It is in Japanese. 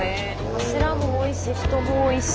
柱も多いし人も多いし。